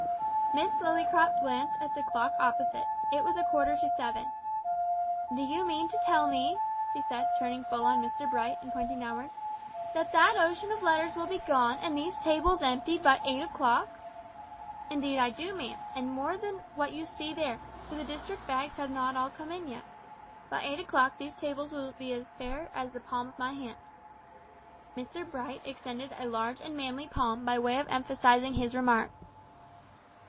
Miss Lillycrop glanced at the clock opposite. It was a quarter to seven. "Do you mean to tell me," she said, turning full on Mr Bright, and pointing downwards, "that that ocean of letters will be gone, and these tables emptied by eight o'clock?" "Indeed I do, ma'am; and more than what you see there, for the district bags have not all come in yet. By eight o'clock these tables will be as bare as the palm of my hand." Mr Bright extended a large and manly palm by way of emphasising his remark.